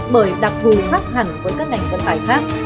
bởi đặc vụ khác hẳn với các ngành công tài khác